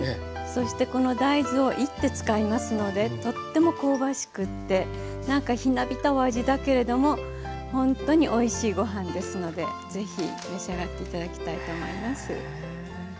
そしてこの大豆をいって使いますのでとっても香ばしくて何かひなびたお味だけれどもほんとにおいしいご飯ですのでぜひ召し上がって頂きたいと思います。